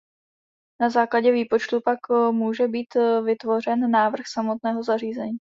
Na základě výpočtu pak může být vytvořen návrh samotného zařízení.